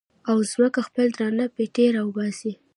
او ځمکه خپل درانه پېټي را وباسي